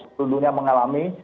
seluruh dunia mengalami